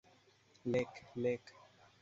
Lake, lake.